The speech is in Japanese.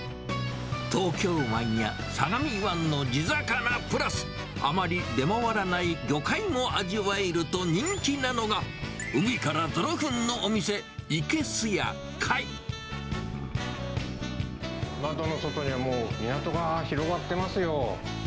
東京湾や相模湾の地魚プラス、あまり出回らない魚介も味わえると人気なのが、海から０分のお店、窓の外にはもう、港が広がっていますよ。